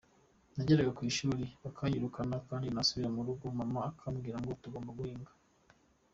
Nageraga ku ishuli bakanyirukana kandi nasubira mu rugo mama akambwira ko tugomba guhinga”.